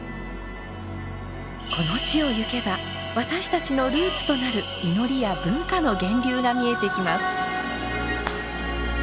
この地をゆけば私たちのルーツとなる祈りや文化の源流が見えてきます。